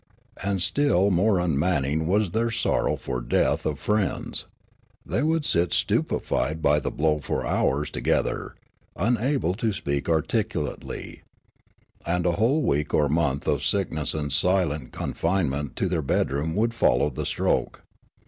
And still more unmanning was their sorrow for the death of friends ; thej^ would sit stupefied by the blow for hours together, unable to speak articulately ; and a whole week or month of sickness and silent confinement to their bedroom would follow the stroke.